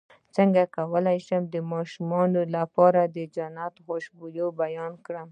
څنګه کولی شم د ماشومانو لپاره د جنت خوشبو بیان کړم